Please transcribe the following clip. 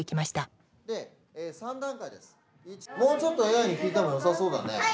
もうちょっとＡＩに聞いてもよさそうだね。